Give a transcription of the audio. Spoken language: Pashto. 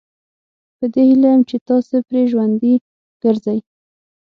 په دې هیله یم چې تاسي پرې ژوندي ګرځئ.